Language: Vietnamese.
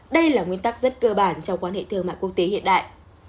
đây là nguyên tắc rất cơ bản trong quan hệ thương mại quốc tế hiện đại